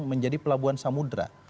menjadi pelabuhan samudera